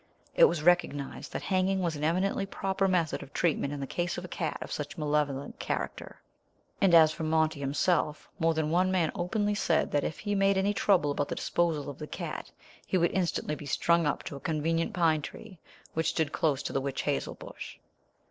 It was recognized that hanging was an eminently proper method of treatment in the case of a cat of such malevolent character; and as for Monty himself, more than one man openly said that if he made any trouble about the disposal of the cat, he would instantly be strung up to a convenient pine tree which stood close to the witch hazel bush.